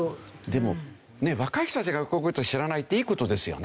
でも若い人たちがこういう事を知らないっていい事ですよね。